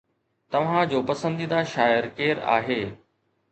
توهان جو پسنديده شاعر ڪير آهي؟